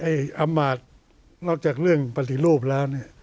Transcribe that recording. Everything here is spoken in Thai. อำมาตย์นอกจากเรื่องปฏิรูปแล้วเนี่ย